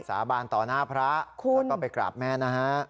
สาบานต่อหน้าพระแล้วก็ไปกราบแม่นะฮะ